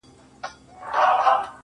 دا غرونه ، غرونه دي ولاړ وي داسي.